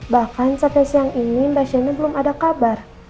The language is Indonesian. bahkan sampai siang ini mbak shami belum ada kabar